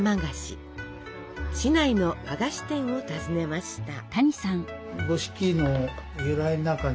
市内の和菓子店を訪ねました。